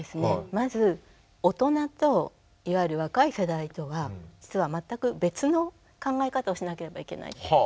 まず大人といわゆる若い世代とは実は全く別の考え方をしなければいけないっていう。